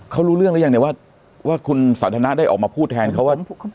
เขารู้เรื่องรึยังเนี้ยว่าว่าคุณสาธารณะได้ออกมาพูดแทนเขาว่า